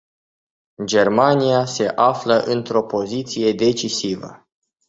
Germania se află într-o poziție decisivă.